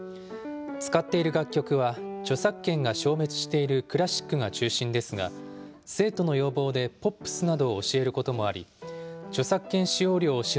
使っている楽曲は、著作権が消滅しているクラシックが中心ですが、生徒の要望でポップスなどを教えることもあり、著作権使用料を支